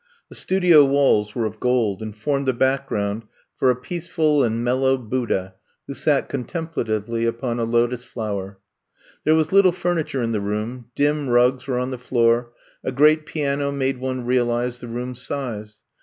The studio walls were of gold and formed a background for a peace ful and mellow Buddha who sat contem platively upon a lotus flower. There was little furniture in the room, dim rugs were on the floor, a great piano made one realize the room's size.